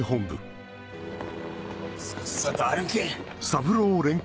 さっさと歩け！